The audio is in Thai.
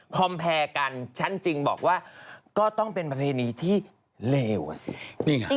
คอมแพรกันฉันจึงบอกว่าก็ต้องเป็นประเพณีที่เลวอ่ะสิ